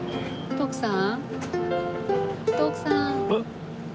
徳さん？